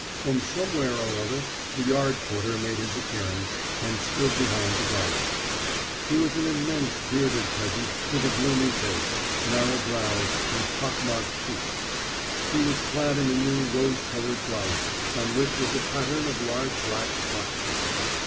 From somewhere or other the yard porter made his appearance, and stood behind the gardener. He was an immense bearded peasant with a gloomy face, narrow brows, and pock marked cheeks. He was clad in a new rose coloured blouse, on which was a pattern of large black spots.